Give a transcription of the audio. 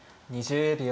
２０秒。